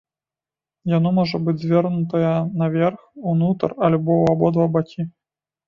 Яно можа быць звернутае наверх, унутр альбо ў абодва бакі.